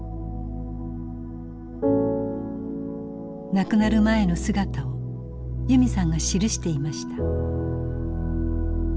亡くなる前の姿を由美さんが記していました。